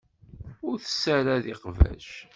Ur tessared iqbac.